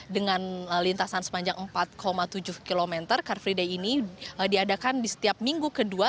dengan lintasan sepanjang empat tujuh km car free day ini diadakan di setiap minggu kedua